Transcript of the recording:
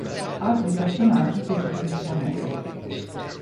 Altri personaggi fecero dei camei.